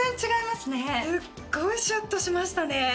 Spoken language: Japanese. すっごいシュッとしましたね